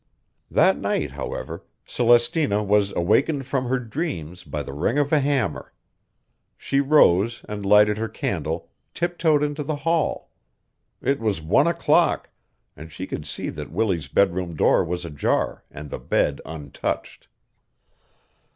That night, however, Celestina was awakened from her dreams by the ring of a hammer. She rose, and lighting her candle, tip toed into the hall. It was one o'clock, and she could see that Willie's bedroom door was ajar and the bed untouched.